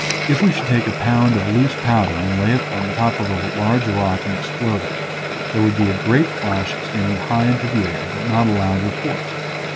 If we should take a pound of loose powder and lay it upon the top of a large rock and explode it, there would be a great flash extending high into the air, but not a loud report.